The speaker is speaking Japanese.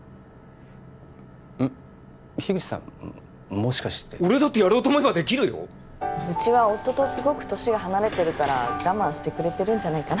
もしかして俺だってやろうと思えばできるようちは夫とすごく年が離れてるから我慢してくれてるんじゃないかな